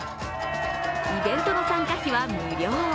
イベントの参加費は無料。